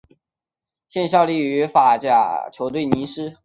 现效力于法甲球队尼斯。